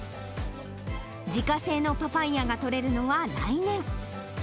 自家製のパパイヤが取れるのは来年。